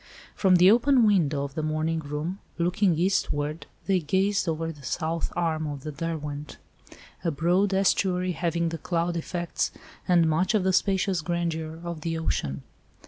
From the open window of the morning room, looking eastward, they gazed over the south arm of the Derwent; a broad estuary having the cloud effects and much of the spacious grandeur of the ocean.